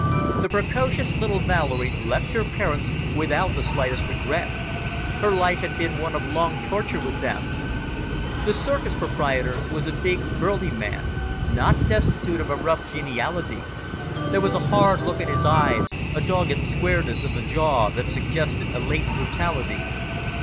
The precocious little Valerie left her parents without the slightest regret her life had been one long torture with them. The circus proprietor was a big, burly man, not destitute of a rough geniality. There was a hard look in his eyes, a dogged squareness of the jaw that suggested a latent brutality.